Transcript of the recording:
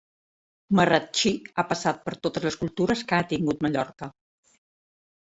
Marratxí ha passat per totes les cultures que ha tingut Mallorca.